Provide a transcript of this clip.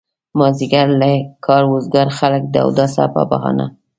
مازيګر له کاره وزګار خلک د اوداسه په بهانه.